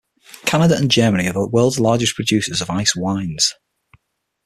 Canada and Germany are the world's largest producers of ice wines.